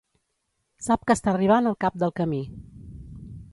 Sap que està arribant al cap del camí.